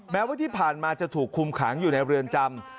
แม้ว่าที่ผ่านมาจะถูกคุมขังอยู่ในเรือนจำ